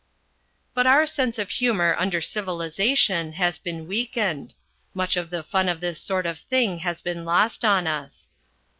_" But our sense of humour under civilisation has been weakened. Much of the fun of this sort of thing has been lost on us.